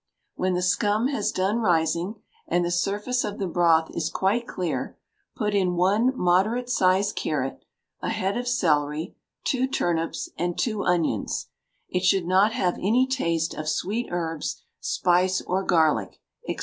When the scum has done rising, and the surface of the broth is quite clear, put in one moderate sized carrot, a head of celery, two turnips, and two onions, it should not have any taste of sweet herbs, spice, or garlic, &c.